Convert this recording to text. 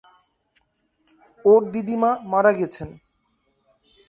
ওর দিদিমা মারা গেছেন।